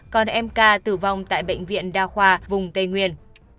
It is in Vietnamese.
còn em ca tử vong tại bệnh viện đa khoa vùng tây nguyên